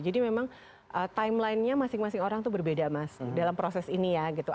jadi memang timelinenya masing masing orang itu berbeda mas dalam proses ini ya gitu